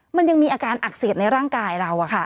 มันยังมีอาการอักเสบในร่างกายเรา